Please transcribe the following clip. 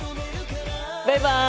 バイバイ！